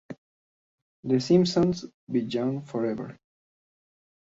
The Simpsons Beyond Forever!